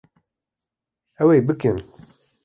Ew ê bikin